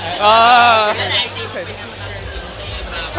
เมื่อใดจีมจะถึงคุยค่ะ